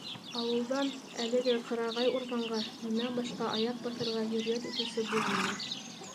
Ауылдан әлеге ҡырағай урманға минән башҡа аяҡ баҫырға йөрьәт итеүсе булманы.